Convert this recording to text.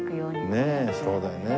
ねえそうだよね。